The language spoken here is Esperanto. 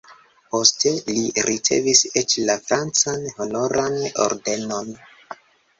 Poste li ricevis eĉ la francan Honoran Ordenon.